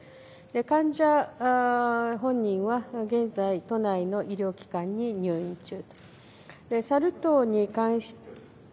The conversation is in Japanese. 患者本人は現在、都内の医療機関に入院中。